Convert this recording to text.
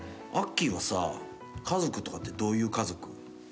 アッキーはさ家族とかってどういう家族？